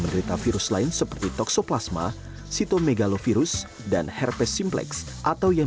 menderita virus lain seperti toksoplasma sitomegalovirus dan herpes simplex atau yang